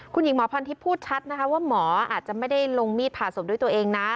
คุณหญิงหมอพรทิพย์พูดชัดนะคะว่าหมออาจจะไม่ได้ลงมีดผ่าศพด้วยตัวเองนะ